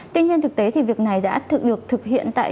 tuy nhiên thực tế thì việc này đã được thực hiện tại nhiều cơ quan